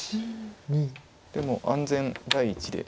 でも安全第一で。